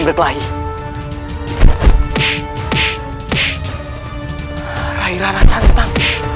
rai rara santan